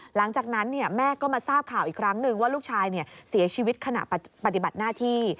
หลังจากนั้นแม่ก็มาทราบข่าวอีกครั้งนึงว่าลูกชายเสียชีวิตขณะปฏิบัติหน้าที่